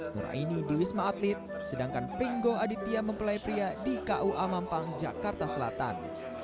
nur aini di wisma atlet sedangkan pringgo aditya mempelai pria di kua mampang jakarta selatan